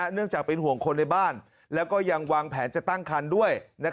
เนื่องจากเป็นห่วงคนในบ้านแล้วก็ยังวางแผนจะตั้งคันด้วย